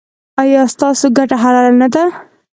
ایا ستاسو ګټه حلاله نه ده؟